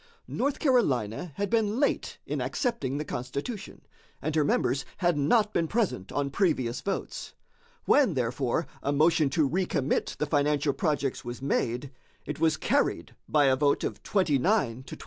North Carolina had been late in accepting the Constitution, and her members had not been present on previous votes. When, therefore, a motion to recommit the financial projects was made, it was carried by a vote of 29 to 27.